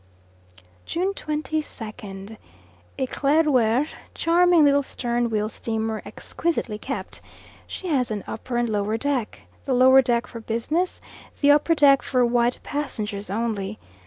June 22nd. Eclaireur, charming little stern wheel steamer, exquisitely kept. She has an upper and a lower deck. The lower deck for business, the upper deck for white passengers only.